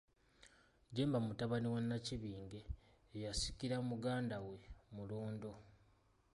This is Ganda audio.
JJEMBA mutabani wa Nnakibinge, ye yasikira muganda we Mulondo.